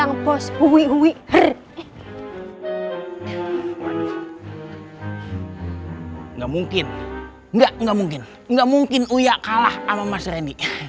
gak mungkin uyak kalah sama mas rendy